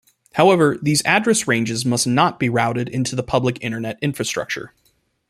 However, these address ranges must not be routed into the public Internet infrastructure.